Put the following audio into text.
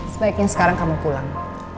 sebaiknya sekarang kamu pulang